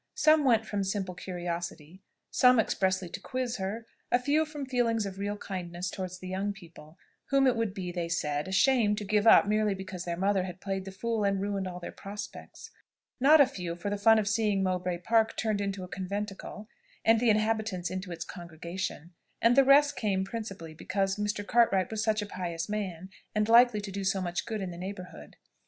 Some went from simple curiosity, some expressly to quiz her, a few from feelings of real kindness towards the young people, whom it would be, they said, a shame to give up merely because their mother had played the fool and ruined all their prospects: not a few, for the fun of seeing Mowbray Park turned into a conventicle, and the inhabitants into its congregation; and the rest came principally because Mr. Cartwright was such a pious man, and likely to do so much good in the neighbourhood.